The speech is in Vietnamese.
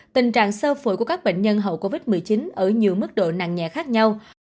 tình trạng sơ phổi của các bệnh nhân hậu covid một mươi chín ở nhiều mức độ nặng nhẹ khác nhau